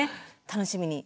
楽しみに。